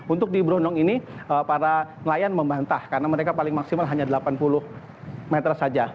untuk di brondong ini para nelayan membantah karena mereka paling maksimal hanya delapan puluh meter saja